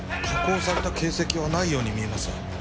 加工された形跡はないように見えます。